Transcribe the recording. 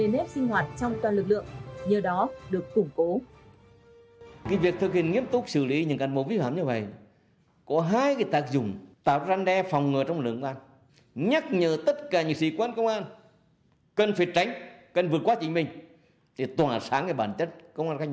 nếp sinh hoạt trong toàn lực lượng nhờ đó được củng cố